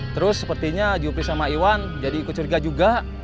terus sepertinya jupri sama iwan jadi ikut curiga juga